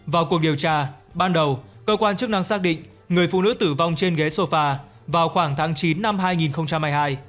vào cuộc điều tra ban đầu cơ quan chức năng xác định người phụ nữ tử vong trên ghế sofa vào khoảng tháng chín năm hai nghìn hai mươi hai